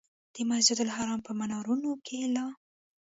د مسجدالحرام په منارونو کې لا.